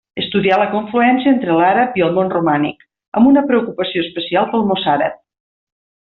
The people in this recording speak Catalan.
Estudià la confluència entre l'àrab i el món romànic, amb una preocupació especial pel mossàrab.